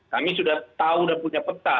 kami sudah tahu dan punya peta